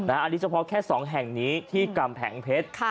อันนี้เฉพาะแค่๒แห่งนี้ที่กำแพงเพชร